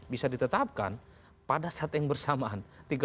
bisa ditetapkan pada saat yang bersamaan